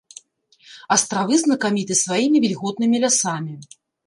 Астравы знакаміты сваімі вільготнымі лясамі.